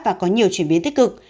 và có nhiều chuyển biến tích cực